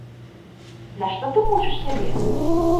Нашто ты мучыш сябе?